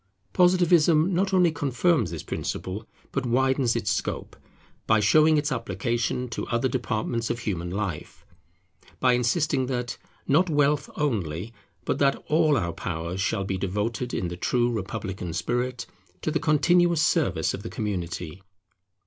Positivism not only confirms this principle, but widens its scope, by showing its application to other departments of human life; by insisting that, not wealth only, but that all our powers shall be devoted in the true republican spirit to the continuous service of the community.